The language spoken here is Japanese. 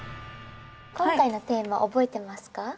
今回のテーマ覚えてますか？